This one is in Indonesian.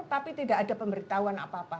tapi tidak ada pemberitahuan apa apa